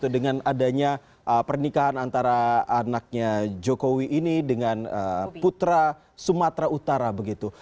dengan adanya pernikahan antara anaknya jokowi ini dengan putra sumatera utara begitu